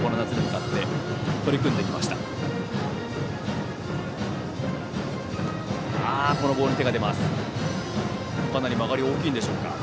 かなり曲がりが大きいでしょうか。